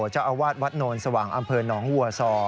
เจ้าอาวาสวัดโนนสว่างอำเภอหนองวัวซอ